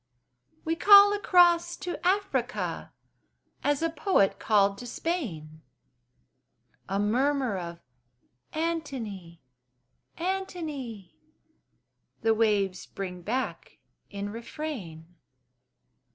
We call across to Africa, As a poet called to Spain: A murmur of "Antony! Antony!" The waves bring back in refrain.